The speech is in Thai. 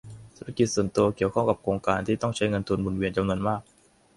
ธุรกิจส่วนตัวเกี่ยวข้องกับโครงการที่ต้องใช้เงินทุนหมุนเวียนจำนวนมาก